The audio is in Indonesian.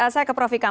saya ke prof hikam